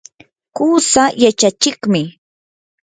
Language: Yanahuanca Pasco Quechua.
qusaa yachachiqmi.